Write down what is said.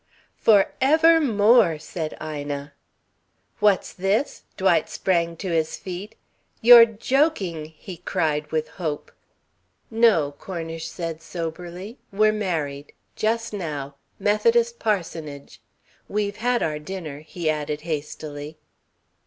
"For ever more!" said Ina. "What's this?" Dwight sprang to his feet. "You're joking!" he cried with hope. "No," Cornish said soberly. "We're married just now. Methodist parsonage. We've had our dinner," he added hastily.